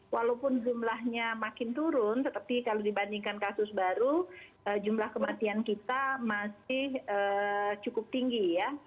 walaupun jumlahnya makin turun tetapi kalau dibandingkan kasus baru jumlah kematian kita masih cukup tinggi ya